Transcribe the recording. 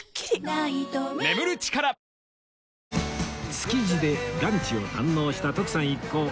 築地でランチを堪能した徳さん一行